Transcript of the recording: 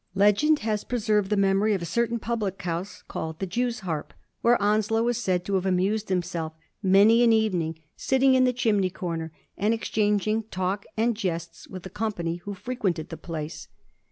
Legend has preserved the memory of a certain public house, called ^ The Jews' Harp,' where Onslow is said to have amused himself many an evening sitting in the chimney comer and exchanging talk and jests with the company who firequented the place.